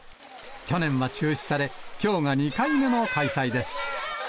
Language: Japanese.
去年は中止され、きょうが２回目の開催です。